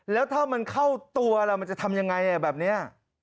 แล้วถ้ามันเข้าตัวเรามันจะทำยังไงแบบนี้